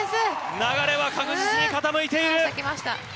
流れは確実に傾いている。